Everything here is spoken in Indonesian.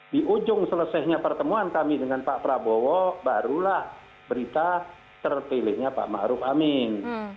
di ujung selesainya pertemuan kami dengan pak prabowo barulah berita terpilihnya pak ma'ruf amin